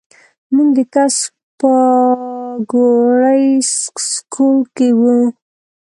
مونږ د کس پاګوړۍ سکول کښې وو